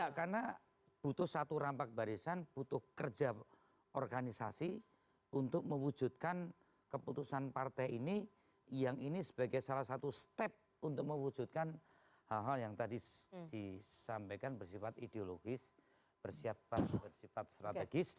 ya karena butuh satu rampak barisan butuh kerja organisasi untuk mewujudkan keputusan partai ini yang ini sebagai salah satu step untuk mewujudkan hal hal yang tadi disampaikan bersifat ideologis bersifat bersifat strategis